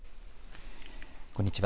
こんにちは。